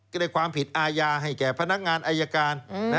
ได้ความผิดอาญาให้แก่พนักงานอายการ